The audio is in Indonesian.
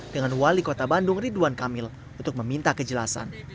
dengan wali kota bandung ridwan kamil untuk meminta kejelasan